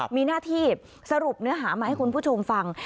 มีหน้าที่สรุปเนื้อหามาให้คุณผู้ชมฟัง